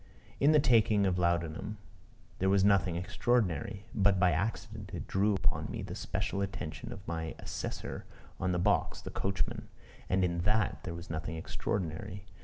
In the taking of laudanum there was nothing extraordinary. But by accident it drew upon me the special attention of my assessor on the box, the coachman. And in that there was nothing extraordinary.